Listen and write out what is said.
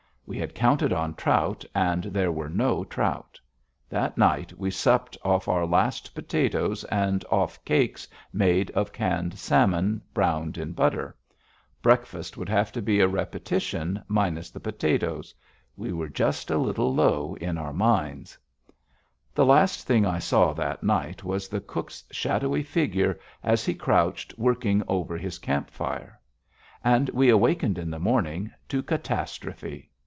We had counted on trout, and there were no trout. That night, we supped off our last potatoes and off cakes made of canned salmon browned in butter. Breakfast would have to be a repetition minus the potatoes. We were just a little low in our minds. [Illustration: A Glacier Park lake] The last thing I saw that night was the cook's shadowy figure as he crouched working over his camp fire. And we wakened in the morning to catastrophe.